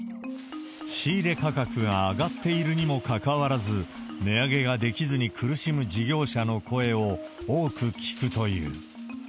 仕入れ価格が上がっているにもかかわらず、値上げができずに苦しむ事業者の声を多く聞くという。